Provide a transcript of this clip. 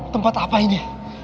tempat apa ini